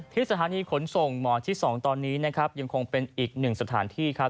สถานีขนส่งหมอที่๒ตอนนี้นะครับยังคงเป็นอีกหนึ่งสถานที่ครับ